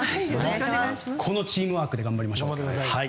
このチームワークで頑張りましょう。